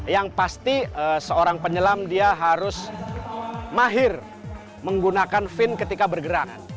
yang pasti seorang penyelam dia harus mahir menggunakan fin ketika bergerak